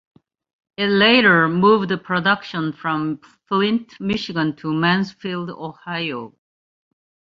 It later moved production from Flint, Michigan to Mansfield, Ohio.